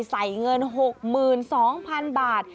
ใส่เงิน๖๒๐๐๐บาท